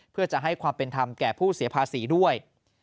เพื่อจะให้ความเป็นธรรมแก่ผู้เสียภาษีด้วย